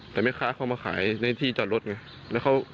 แต่แม่ค้าเขามาขายในที่จอดรถไง